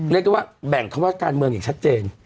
เรียกได้ว่าแบ่งคำว่าการเมืองอย่างชัดเจน